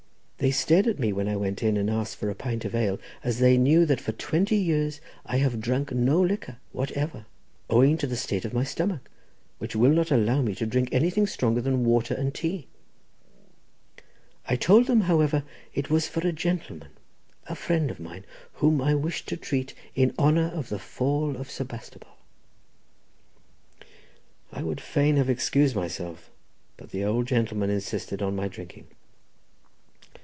They stared at me when I went in and asked for a pint of ale, as they knew that for twenty years I have drunk no liquor whatever, owing to the state of my stomach, which will not allow me to drink anything stronger than water and tea. I told them, however, it was for a gentleman, a friend of mine, whom I wished to treat in honour of the fall of Sebastopol." I would fain have excused myself, but the old gentleman insisted on my drinking.